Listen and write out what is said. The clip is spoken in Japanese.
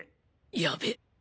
やべ